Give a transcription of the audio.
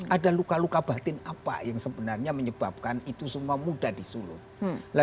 ada luka luka batin apa yang sebenarnya menyebabkan itu semua mudah disulut